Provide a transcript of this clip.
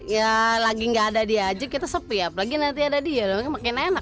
ya lagi nggak ada dia aja kita sepi apalagi nanti ada dia makin enak